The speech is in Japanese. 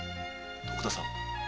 徳田さん